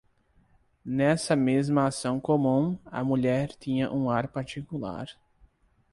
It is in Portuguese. Nessa mesma ação comum, a mulher tinha um ar particular.